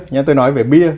nhớ tôi nói về bia